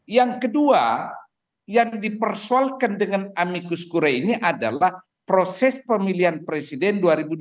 yang kedua yang dipersoalkan dengan amikus kure ini adalah proses pemilihan presiden dua ribu dua puluh